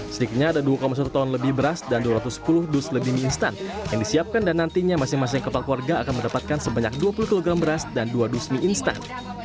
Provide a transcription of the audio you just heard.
sedikitnya ada dua satu ton lebih beras dan dua ratus sepuluh dus lebih mie instan yang disiapkan dan nantinya masing masing kepala keluarga akan mendapatkan sebanyak dua puluh kg beras dan dua dus mie instan